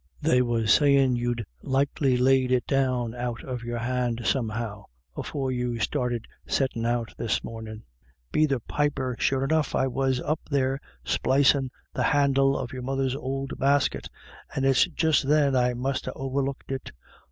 They was sayin* you'd likely laid it down out of your hand somehow, afore you started sett in' out this morninV "Be the piper, sure enough I was up there splicin' the handle of your mother's ould basket, and it's then I must ha* overlooked it.